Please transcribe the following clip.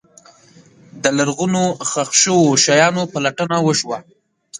د لرغونو ښخ شوو شیانو پلټنه وشوه.